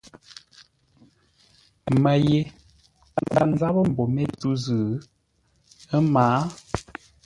Mə́ ye kwâr ńzápə́ mbô mé tû zʉ́, ə́ mǎa.